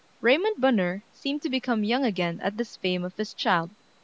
Raymond Bonheur seemed to become young again at this fame of his child.